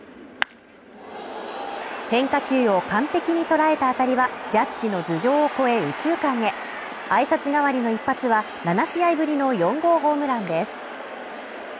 変化球を完璧に捉えた当たりはジャッジの頭上を越える右中間へ挨拶代わりの一発は７試合ぶりの４号ホームランです。